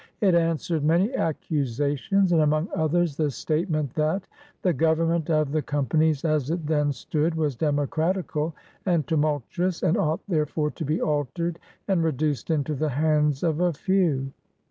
It answered many accusations, and among others the state ment that "the Government of the companies as it then stood was democratical and tumultuous, and ought therefore to be altered, and reduced into the Hands of a few."